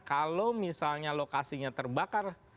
kalau misalnya lokasinya terbakar